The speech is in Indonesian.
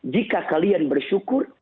jika kalian bersyukur